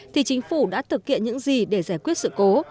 thì chính phủ đã thực hiện những gì để giải quyết sự cố